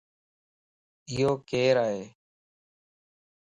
ايو ڪيرائي؟